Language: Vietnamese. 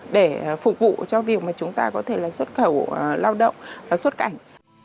để phục vụ cho việc mà chúng ta có thể là xuất khẩu lao động và xuất cảnh